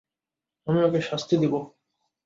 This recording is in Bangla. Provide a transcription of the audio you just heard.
আমি ওকে শাস্তি দিব।